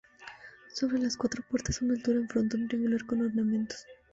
Sobre las cuatro puertas una altura en frontón triangular, con ornamentos.